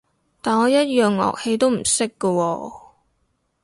但我一樣樂器都唔識㗎喎